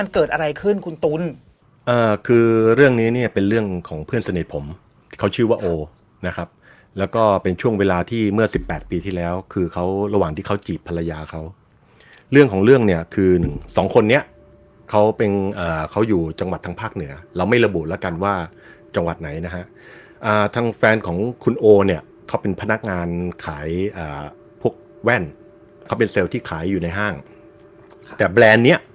ของเพื่อนเสน็จผมเขาชื่อว่าโอนะครับแล้วก็เป็นช่วงเวลาที่เมื่อ๑๘ปีที่แล้วคือเขาระหว่างที่เขาจีบภรรยาเขาเรื่องของเรื่องเนี่ยคือสองคนนี้เขาเป็นเขาอยู่จังหวัดทางภาคเหนือเราไม่ระบุแล้วกันว่าจังหวัดไหนนะฮะทางแฟนของคุณโอเนี่ยเขาเป็นพนักงานขายพวกแว่นเขาเป็นเซลล์ที่ขายอยู่ในห้างแต่แบรนด์เนี่ย